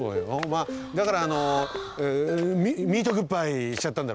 まっだからあのミートグッバイしちゃったんだろうね。